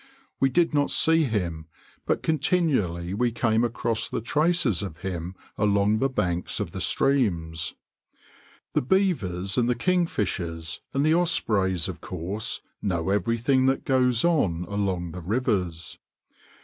We did not see him, but continually we came across the traces of him along the banks of the streams. The beavers, and the kingfishers, and the ospreys, of course, know everything that goes on along the rivers.